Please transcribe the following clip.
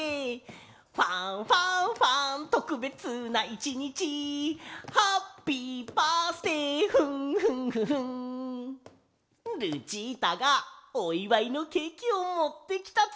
「ファンファンファンとくべつな一日」「ハッピーバースデーフンフンフフン」ルチータがおいわいのケーキをもってきたぞ！